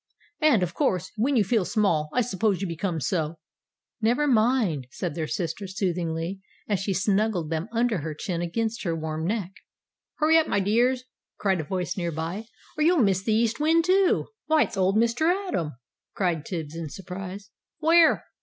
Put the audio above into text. And, of course, when you feel small, I suppose you become so!" "Never mind," said their sister, soothingly, as she snuggled them under her chin against her warm neck. "Hurry up, my dears!" cried a voice near by, "or you'll miss the East Wind, too." "Why, it's old Mr. Atom!" cried Tibbs, in surprise. "Where?